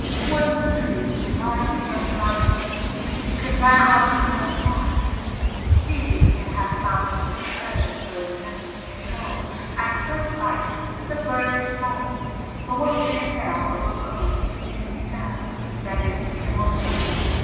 What mysteries do lie beyond thy dust, Could man outlook that mark! He that hath found some fledged bird's nest may know, At first sight, if the bird be flown; But what fair dell or grove he sings in now, That is to him unknown.